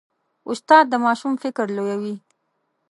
استاد د ماشوم فکر لویوي.